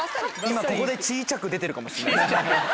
・ここで小ちゃく出てるかもしれないですね。